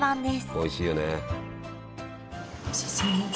おいしいよねえ。